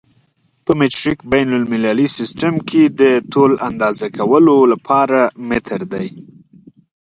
په مټریک بین المللي سیسټم کې د طول اندازه کولو لپاره متر دی.